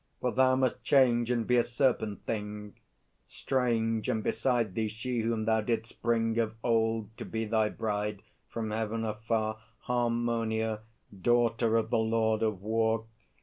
For thou must change and be a Serpent Thing Strange, and beside thee she whom thou didst bring Of old to be thy bride from Heaven afar, Harmonia, daughter of the Lord of War.